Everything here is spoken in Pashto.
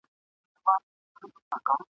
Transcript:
هسي نه چي یوه ورځ به له خپل سیوري سره ورک سې ..